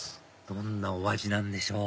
どんなお味なんでしょう？